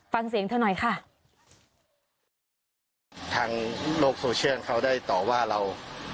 ฟังเสียงเธอหน่อยค่ะทางโลกโซเชียลเขาได้ต่อว่าเรา